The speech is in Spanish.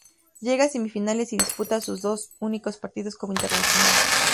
Llega a semifinales y disputa sus dos únicos partidos como internacional.